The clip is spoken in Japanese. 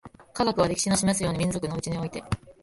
科学は、歴史の示すように、民族のうちにおいて